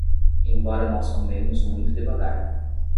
Embora nós comemos muito devagar